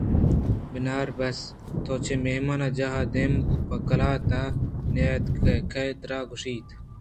بناربس ! تو چہ مہمان جاہ ءَ دیم پہ قلات ءَ نیاتکے ؟ کئے ءَتراگوٛشت